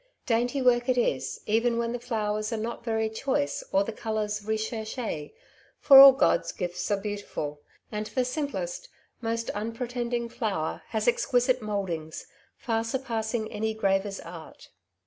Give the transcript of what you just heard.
Dainty work it is, even when the flowers are not very choice or the colours recherche^ for all God^s gifts are beautiful ; and the simplest, most unpretending flower has exquisite mouldings, far surpassing any graver's art.